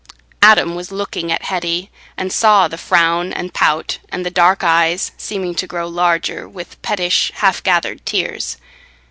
Adam was looking at Hetty, and saw the frown, and pout, and the dark eyes seeming to grow larger with pettish half gathered tears.